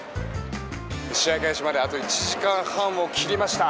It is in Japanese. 試合開始まであと１時間半を切りました。